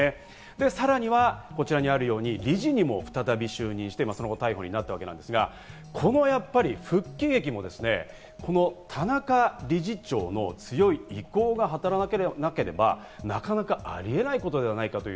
さらには、こちらにあるように理事にも再び就任して逮捕となったわけですが、この復帰劇も田中理事長の強い意向が働かなければ、なかなかあり得ないことではないかという。